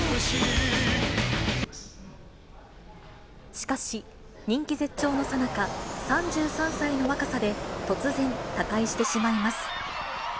しかし、人気絶頂のさなか、３３歳の若さで突然、他界してしまいます。